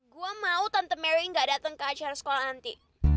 gue mau tante mary gak datang ke acara sekolah nanti